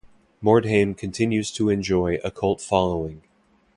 Mordheim continues to enjoy a cult following.